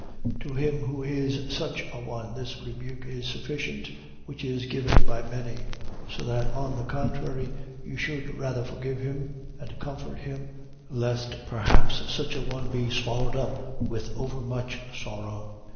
2:6. To him who is such a one, this rebuke is sufficient, which is given by many. 2:7. So that on the contrary, you should rather forgive him and comfort him, lest perhaps such a one be swallowed up with overmuch sorrow.